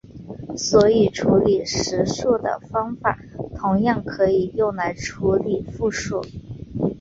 所以处理实数的方法同样可以用来处理复数。